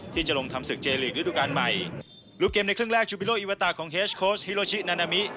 ที่จะลงทำศึกเจริกฤทธิ์การใหม่ลูกเกมในเครื่องแรกจูบิโลอีวาตะของเฮจโคสต์ฮิโรชินานามิ